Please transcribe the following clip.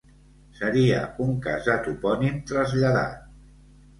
Seria un cas de topònim traslladat.